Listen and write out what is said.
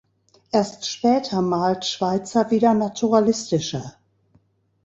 Erst später malt Schweizer wieder naturalistischer.